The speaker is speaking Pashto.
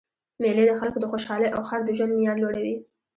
میلې د خلکو د خوشحالۍ او ښار د ژوند معیار لوړوي.